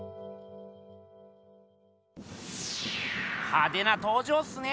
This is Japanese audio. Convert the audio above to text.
派手な登場っすね！